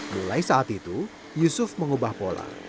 mulai saat itu yusuf mengubah pola